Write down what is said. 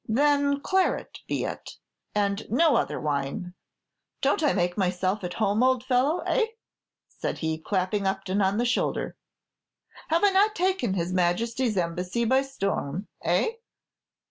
"Then claret be it, and no other wine. Don't I make myself at home, old fellow, eh?" said he, clapping Upton on the shoulder. "Have I not taken his Majesty's Embassy by storm, eh?"